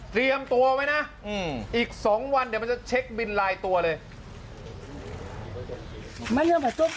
ตัวไว้นะอีกสองวันเดี๋ยวมันจะเช็คบินลายตัวเลย